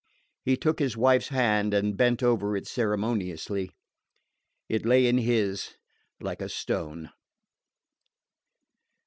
He took his wife's hand and bent over it ceremoniously. It lay in his like a stone.